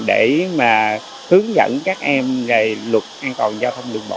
để mà hướng dẫn các em về luật an toàn giao thông đường bộ